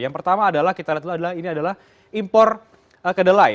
yang pertama adalah kita lihat dulu adalah ini adalah impor kedelai